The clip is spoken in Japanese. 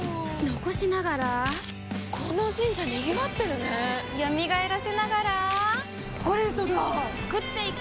残しながらこの神社賑わってるね蘇らせながらコレドだ創っていく！